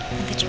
ya nanti juga